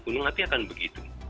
gunung api akan begitu